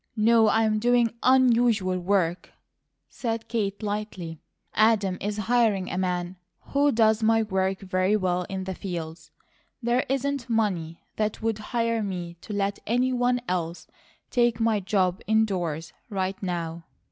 "No, I'm doing UNUSUAL work," said Kate, lightly. "Adam is hiring a man who does my work very well in the fields; there isn't money that would hire me to let any one else take my job indoors, right now."